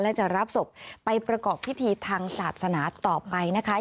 และจะรับศพไปประกอบพิธีทางศาสนาต่อไปนะคะ